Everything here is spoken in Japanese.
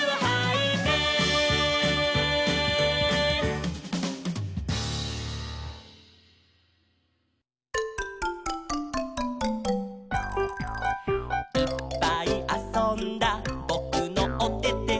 「いっぱいあそんだぼくのおてて」